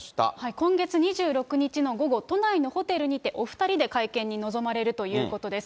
今月２６日の午後、都内のホテルにてお２人で会見に臨まれるということです。